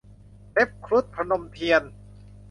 เล็บครุฑ - พนมเทียน